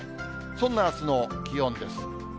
そんなあすの気温です。